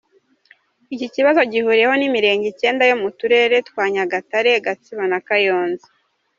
Iki kibazo gihuriweho n’imirenge icyenda yo mu turere twa Nyagatare, Gatsibo na Kayonza.